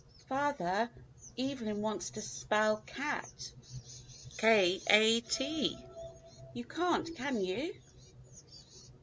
"Father, Evelyn wants to spell cat, h a t; you can't, can you.